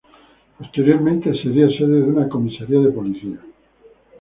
Posteriormente sería sede de una comisaría de policía.